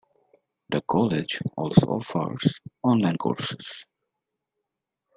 The college also offers online courses.